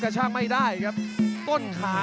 เสริมหักทิ้งลงไปครับรอบเย็นมากครับ